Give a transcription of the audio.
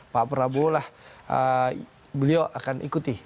pak prabowo lah beliau akan ikuti